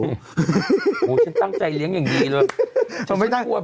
โหฉันตั้งใจเลี้ยงอย่างนี้เลย